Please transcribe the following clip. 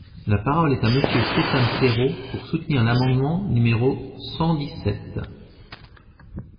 La parole est à Monsieur Stéphane Claireaux, pour soutenir l’amendement numéro cent dix-sept.